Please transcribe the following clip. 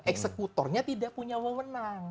eksekutornya tidak punya uwomenang